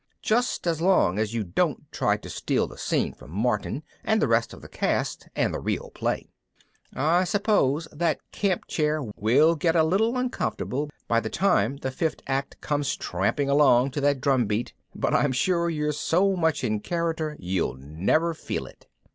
Just so long as you don't try to steal the scene from Martin and the rest of the cast, and the real play._ _I suppose that camp chair will get a little uncomfortable by the time the Fifth Act comes tramping along to that drumbeat, but I'm sure you're so much in character you'll never feel it.